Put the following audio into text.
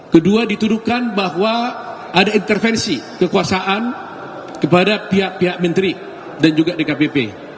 kedua dituduhkan bahwa ada intervensi kekuasaan kepada pihak pihak menteri dan juga dkpp